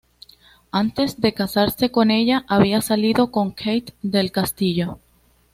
Antes de casarse con ella había salido con Kate del Castillo.